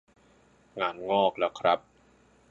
งานงอกแล้วครับ